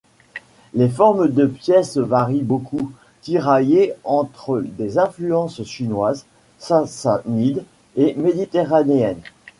Les formes de pièces varient beaucoup, tiraillées entre des influences chinoise, sassanide et méditerranéennes.